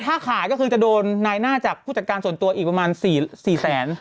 ถ้าขายก็คือจะโดนนายหน้าจากผู้จัดการส่วนตัวอีกประมาณ๔แสน